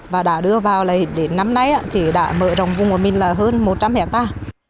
và đã đưa vào lấy đến năm nay thì đã mở rộng vùng của mình là hơn một trăm linh hectare